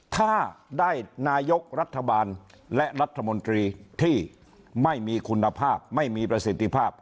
ถ้าได้นายกรัฐบาลและรัฐมนตรีที่ไม่มีคุณภาพไม่มีประสิทธิภาพ